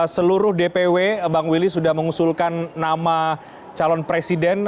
seluruh dpw bang willy sudah mengusulkan nama calon presiden